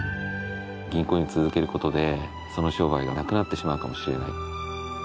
銀行員を続ける事でその商売がなくなってしまうかもしれない。